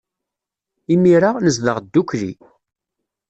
Imir-a, nezdeɣ ddukkli.